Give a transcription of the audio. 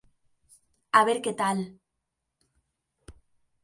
A ver que tal.